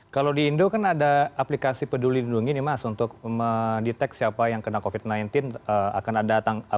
kalau di indo kan ada aplikasi peduli lindungi nih mas untuk mendeteksi siapa yang kena covid sembilan belas akan ada